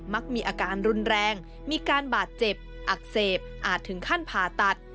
มักมีอาการรุนแรงมีการบาดเจ็บอักเสบอาจถึงขั้นผ่าตัด